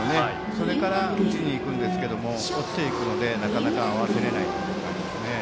それから打ちにいくんですけど落ちていくのでなかなか合わせられないですね。